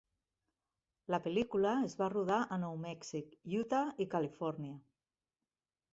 La pel·lícula es va rodar a Nou Mèxic, Utah i Califòrnia.